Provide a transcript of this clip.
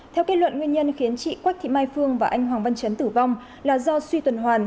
theo kết luận nguyên nhân khiến chị quách thị mai phương và anh hoàng văn trấn tử vong là do suy tuần hoàn